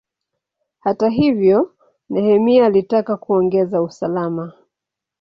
Hata hivyo, Nehemia alitaka kuongeza usalama.